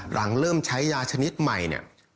หลังเริ่มใช้ยาชนิดใหม่เนี่ย